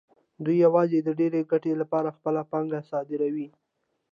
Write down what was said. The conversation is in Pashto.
دوی یوازې د ډېرې ګټې لپاره خپله پانګه صادروي